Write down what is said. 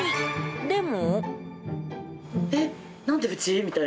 でも。